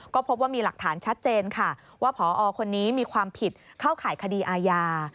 ก็พบว่ามีหลักฐานชัดเจนค่ะว่าพอคนนี้มีความผิดเข้าข่ายคดีอาญา